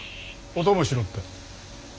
お供しろって。